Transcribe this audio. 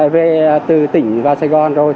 về từ tỉnh vào sài gòn rồi